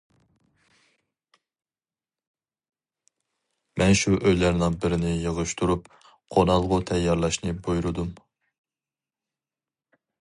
مەن شۇ ئۆيلەرنىڭ بىرىنى يىغىشتۇرۇپ قونالغۇ تەييارلاشنى بۇيرۇدۇم.